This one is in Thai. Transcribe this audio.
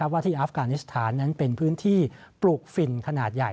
ว่าที่อัฟกานิสถานนั้นเป็นพื้นที่ปลูกฝิ่นขนาดใหญ่